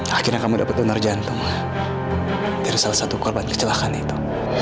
akhirnya kamu dapat donor jantung dari salah satu korban kecelakaan itu